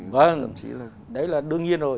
vâng đấy là đương nhiên rồi